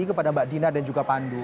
kepada mbak dina dan juga pandu